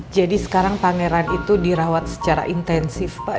jadi sekarang pangeran itu dirawat secara intensif pak